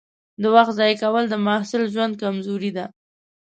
د وخت ضایع کول د محصل ژوند کمزوري ده.